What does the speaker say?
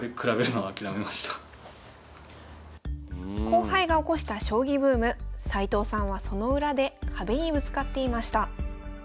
後輩が起こした将棋ブーム齊藤さんはその裏で壁にぶつかっていました。